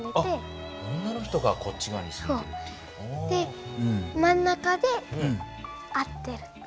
で真ん中で会ってる。